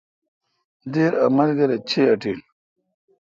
دِر املگر اے چے° اٹیل۔